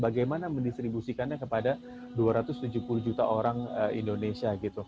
bagaimana mendistribusikannya kepada dua ratus tujuh puluh juta orang indonesia